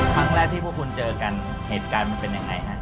ครั้งแรกที่พวกคุณเจอกันเหตุการณ์มันเป็นยังไงฮะ